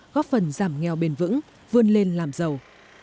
góp phần giảm nghèo bền vững vươn lên làm giàu